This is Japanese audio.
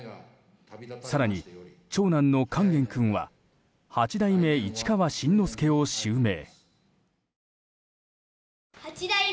更に、長男の勸玄君は八代目市川新之助を襲名。